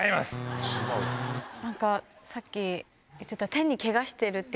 さっき言ってた。